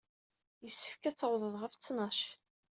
Yessefk ad tawḍeḍ ɣef ttnac.